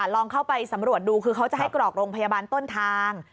ลองเข้าไปสำรวจดูคือเขาจะให้กรอกโรงพยาบาลต้นทาง